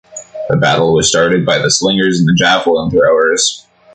The battle was started by the slingers and the javelin throwers.